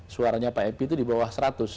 suaranya pak epi itu di bawah seratus